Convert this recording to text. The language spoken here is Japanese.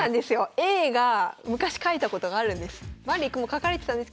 Ａが昔書いたことがあるんです。